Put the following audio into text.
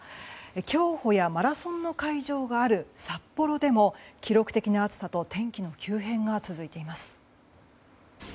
競歩やマラソンの会場がある札幌でも記録的な暑さと天気の急変が続いています。